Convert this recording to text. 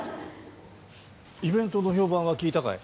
イベントの評判は聞いたかい？